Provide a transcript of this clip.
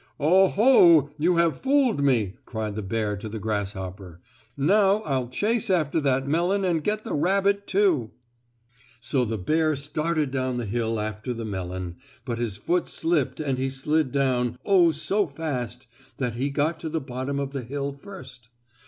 "Oh, ho! You have fooled me!" cried the bear to the grasshopper. "Now, I'll chase after that melon and get the rabbit, too!" So the bear started down the hill after the melon, but his foot slipped and he slid down, oh, so fast, that he got to the bottom of the hill first.